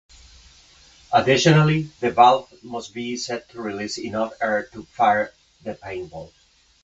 Additionally, the valve must be set to release enough air to fire the paintball.